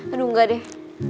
aduh enggak deh